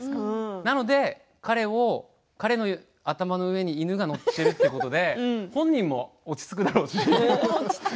なので、彼の頭の上に犬が載っているということで本人も落ち着くだろうし。